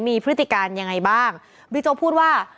มีพฤติการยังไงบ้างบิ๊กโจ๊กพูดว่า